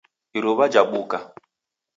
Iruwa jabuka.